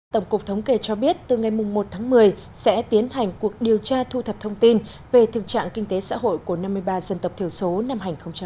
tổng cục thống kê cho biết từ ngày một tháng một mươi sẽ tiến hành cuộc điều tra thu thập thông tin về thực trạng kinh tế xã hội của năm mươi ba dân tộc thiểu số năm hai nghìn một mươi chín